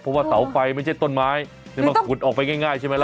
เพราะว่าเสาไฟไม่ใช่ต้นไม้มันขุดออกไปง่ายใช่ไหมล่ะ